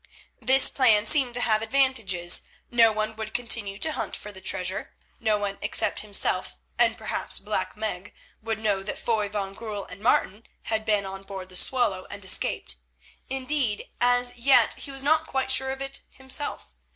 This plan seemed to have advantages. No one would continue to hunt for the treasure. No one except himself and perhaps Black Meg would know that Foy van Goorl and Martin had been on board the Swallow and escaped; indeed as yet he was not quite sure of it himself.